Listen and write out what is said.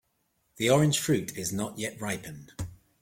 The orange fruit is not yet ripened.